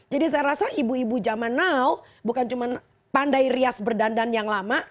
jadi saya rasa ibu ibu zaman now bukan cuma pandai rias berdandan yang lama